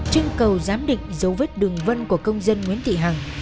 trưng cầu giám định dấu vết đường vân của công dân nguyễn thị hằng